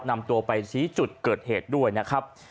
นำตัวไปชี้จุดเกิดเหตุด้วยนะครับ